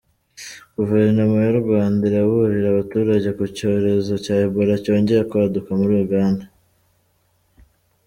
Guverinoma y’u Rwanda iraburira abaturage ku cyorezo cya Ebola cyongeye kwaduka muri Uganda